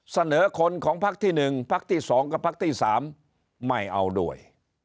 เสนอคนของพักที่๑พักที่๒กับพักที่๓ไม่เอาด้วย